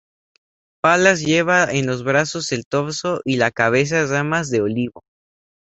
Palas lleva en los brazos, el torso y la cabeza ramas de olivo.